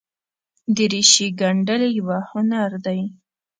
دریشي ګنډل یوه هنر دی.